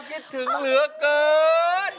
คิดถึงเหลือเกิน